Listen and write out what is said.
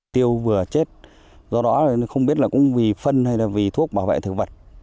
tiêu vừa chết do đó không biết là cũng vì phân hay là vì thuốc bảo vệ thực vật